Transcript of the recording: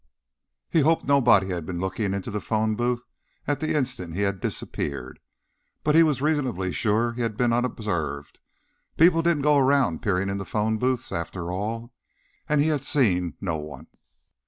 He hoped nobody had been looking into the phone booth at the instant he had disappeared, but he was reasonably sure he'd been unobserved. People didn't go around peering into phone booths, after all, and he had seen no one.